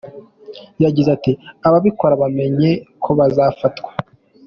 Yagize ati "Ababikora bamenye ko bazafatwa.